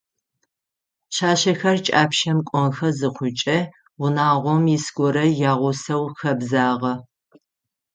Пшъашъэхэр кӏапщэм кӏонхэ зыхъукӏэ, унагъом ис горэ ягъусэу хэбзагъэ.